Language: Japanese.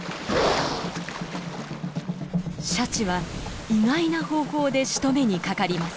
シャチは意外な方法でしとめにかかります。